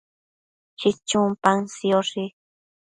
chichun paën sioshi